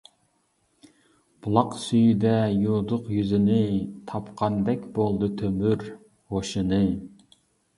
بۇلاق سۈيىدە يۇدۇق يۈزىنى، تاپقاندەك بولدى «تۆمۈر» ھوشىنى.